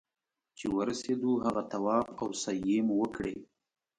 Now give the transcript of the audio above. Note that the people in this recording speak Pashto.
چې ورسېدو هغه طواف او سعيې مو وکړې.